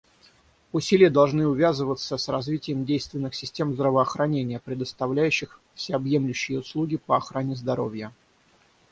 Усилия должны увязываться с развитием действенных систем здравоохранения, предоставляющих всеобъемлющие услуги по охране здоровья.